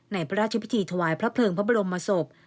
พระราชพิธีถวายพระเพลิงพระบรมศพ